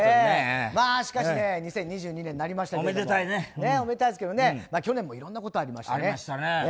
しかし２０２２年になりましたけどおめでたいですけど去年もいろんなことがありましたね。